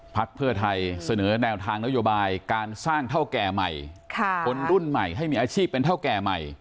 พักเพื่อไทยเสนอแนวทางนโยบายการสร้างเท่าแก่ใหม่คนรุ่นใหม่ให้มีอาชีพเป็นเท่าแก่ใหม่